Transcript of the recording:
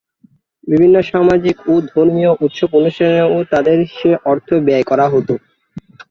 বিভিন্ন সামাজিক ও ধর্মীয় উৎসব-অনুষ্ঠানেও তাঁদের সে অর্থ ব্যয় করা হতো।